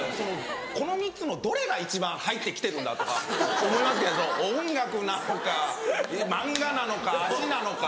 この３つのどれが一番入って来てるんだ？とか思いますけど音楽なのか漫画なのか味なのか。